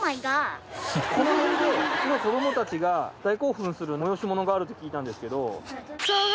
この辺で子どもたちが大興奮する催しものがあるって聞いたんですけど。